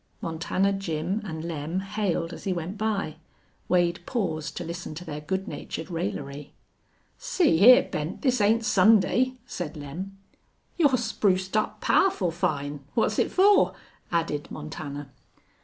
Montana Jim and Lem hailed as he went by. Wade paused to listen to their good natured raillery. "See hyar, Bent, this ain't Sunday," said Lem. "You're spruced up powerful fine. What's it fer?" added Montana.